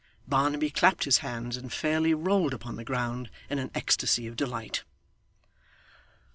Barnaby clapped his hands, and fairly rolled upon the ground in an ecstasy of delight.